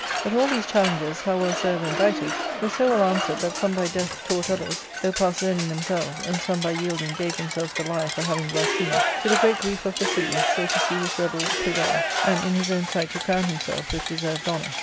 But all these challenges, how well soever indited, were so well answered that some by death taught others, though past learning themselves, and some by yielding gave themselves the lie for having blasphemed, to the great grief of BasiHus, so to see his rebel prevail, and in his 'own sight to crown himself with deserved honour.